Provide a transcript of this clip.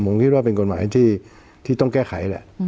ผมคิดว่าเป็นกฎหมายที่ต้องแก้ไขแหละ